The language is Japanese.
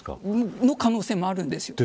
その可能性もあるんですよ。